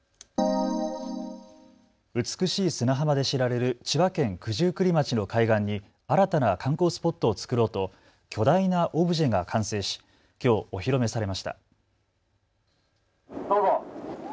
美しい砂浜で知られる千葉県九十九里町の海岸に新たな観光スポットを作ろうと巨大なオブジェが完成しきょうお披露目されました。